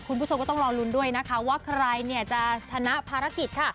คุณผู้ชมก็ต้องรอลุ้นด้วยนะคะว่าใครเนี่ยจะชนะภารกิจค่ะ